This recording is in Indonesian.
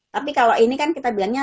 tapi kalau ini kan kita bilangnya